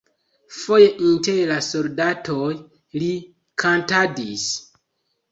Foje inter la soldatoj li kantadis.